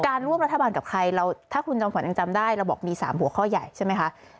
ร่วมรัฐบาลกับใครเราถ้าคุณจอมขวัญยังจำได้เราบอกมี๓หัวข้อใหญ่ใช่ไหมคะ